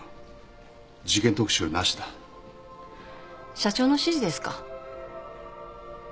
社長の指示ですか？